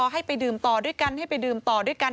ให้ไปดื่มต่อด้วยกันให้ไปดื่มต่อด้วยกัน